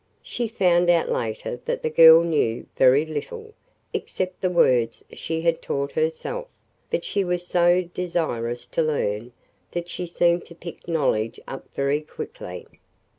She found out later that the girl knew very little, except the words she had taught herself, but she was so desirous to learn that she seemed to pick knowledge up very quickly.